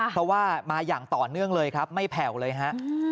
เพราะว่ามาอย่างต่อเนื่องเลยครับไม่แผ่วเลยฮะ